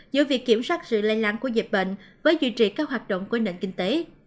giữa việc kiểm soát sự lây lan của dịch bệnh với duy trì các hoạt động của nền kinh tế